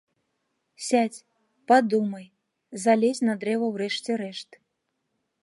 Сядзь, падумай, залезь на дрэва ў рэшце рэшт.